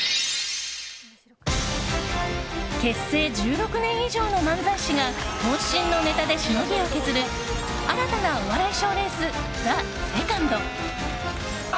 結成１６年以上の漫才師が渾身のネタでしのぎを削る新たなお笑い賞レース「ＴＨＥＳＥＣＯＮＤ」。